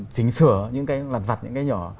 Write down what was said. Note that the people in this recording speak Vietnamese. chỉnh sửa những cái lặt vặt những cái nhỏ